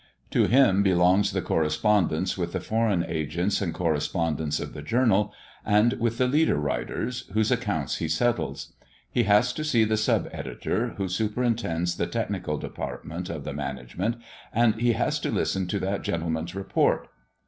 To him belongs the correspondence with the foreign agents and correspondents of the journal, and with the leader writers, whose accounts he settles. He has to see the sub editor, who superintends the technical department of the management, and he has to listen to that gentleman's report.